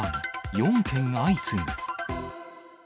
４件相次ぐ。